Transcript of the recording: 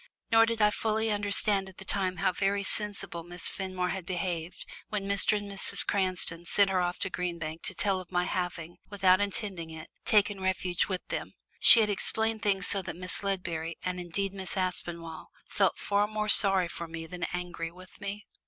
Nor did I fully understand at the time how very sensibly Miss Fenmore had behaved when Mr. and Mrs. Cranston sent her off to Green Bank to tell of my having, without intending it, taken refuge with them; she had explained things so that Miss Ledbury, and indeed Miss Aspinall, felt far more sorry for me than angry with me.